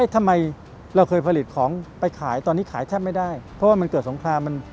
ทำไมเราเคยผลิตของไปขายตอนนี้ขายแทบไม่ได้เพราะว่ามันเกิดสงครามมัน